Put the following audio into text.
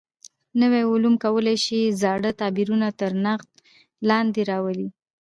نوي علوم کولای شي زاړه تعبیرونه تر نقد لاندې راولي.